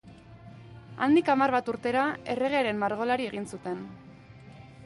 Handik hamar bat urtera, erregearen margolari egin zuten.